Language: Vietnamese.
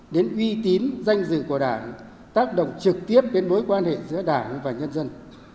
đến uy tín danh dự của đảng tác động trực tiếp đến mối quan hệ giữa đảng và nhân dân